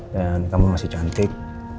dan kamu masih cantik